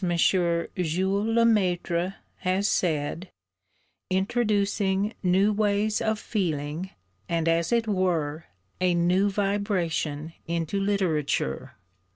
Jules Lemaître has said 'introducing new ways of feeling, and as it were a new vibration into literature.'